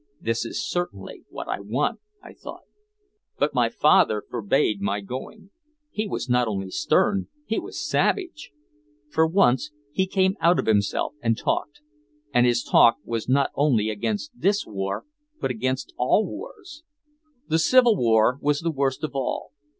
"This is certainly what I want!" I thought. But my father forbade my going. He was not only stern, he was savage. For once he came out of himself and talked. And his talk was not only against this war but against all wars. The Civil War was the worst of all.